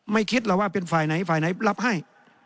ไม่คิดหรอกว่าเป็นฝ่ายไหนรับให้